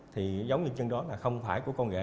thì dấu vân chân đó là không phải của con ghế